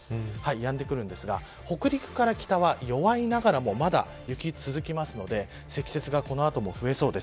やんでくるんですが北陸から北は弱いながらも、まだ雪が続くので積雪が、この後も増えそうです。